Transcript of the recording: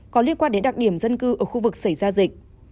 có liên quan đến đặc điểm dân cư ở khu vực xảy ra dịch